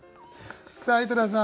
さあ井戸田さん